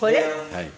はい。